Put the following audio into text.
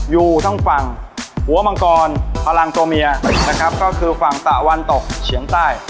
อยู่ทั้งฝั่งหัวมังกรพลังตัวเมียนะครับก็คือฝั่งตะวันตกเฉียงใต้